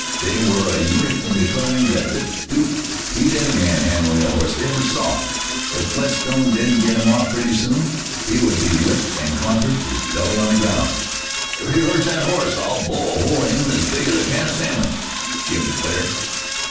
They were a unit in declaring that the Duke beat any man handling a horse they ever saw. If Whetstone didn't get him off pretty soon, he would be whipped and conquered, his belly on the ground. "If he hurts that horse I'll blow a hole in him as big as a can of salmon!" Jim declared.